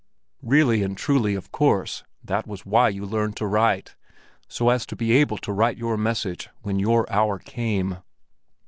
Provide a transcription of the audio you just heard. Really and truly, of course, that was why you learned to write—so as to be able to write your messages when your hour came.